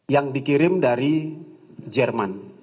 yang dikirim dari jerman